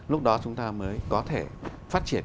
lúc đó chúng ta mới có thể phát triển